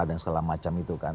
dan segala macam itu kan